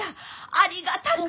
ありがたく！